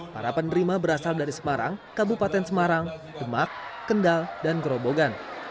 para penerima berasal dari semarang kabupaten semarang demak kendal dan gerobogan